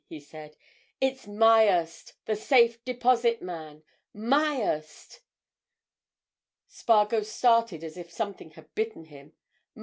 he said. "It's Myerst—the Safe Deposit man. Myerst!" Spargo started as if something had bitten him.